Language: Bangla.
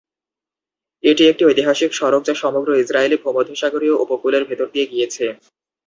এটি একটি ঐতিহাসিক সড়ক যা সমগ্র ইসরায়েলি ভূমধ্যসাগরীয় উপকূলের ভেতর দিয়ে গিয়েছে।